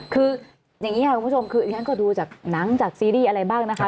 คืออย่างนี้ค่ะคุณผู้ชมคือฉันก็ดูจากหนังจากซีรีส์อะไรบ้างนะคะ